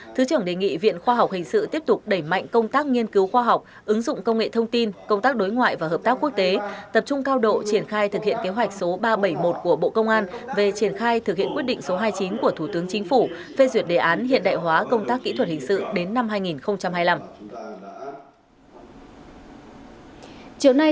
thứ trưởng đề nghị viện khoa học hình sự tiếp tục đẩy mạnh công tác nghiên cứu khoa học ứng dụng công nghệ thông tin công tác đối ngoại và hợp tác quốc tế tập trung cao độ triển khai thực hiện kế hoạch số ba trăm bảy mươi một của bộ công an về triển khai thực hiện quyết định số hai mươi chín của thủ tướng chính phủ phê duyệt đề án hiện đại hóa công tác kỹ thuật hình sự đến năm hai nghìn hai mươi năm